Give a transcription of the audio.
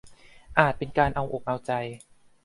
อาจเป็นการเอาอกเอาใจ